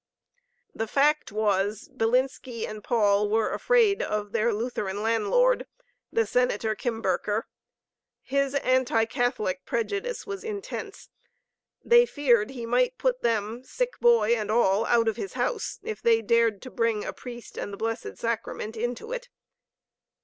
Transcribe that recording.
The fact was, Bilinski and Paul were afraid of their Lutheran landlord, the Senator Kimberker. His anti Catholic prejudice was intense. They feared he might put them, sick boy and all, out of his house, if they dared to bring a priest and the Blessed Sacrament into it.